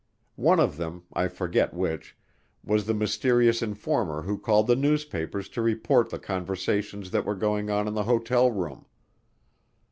One of them, I forget which, was the mysterious informer who called the newspapers to report the conversations that were going on in the hotel room.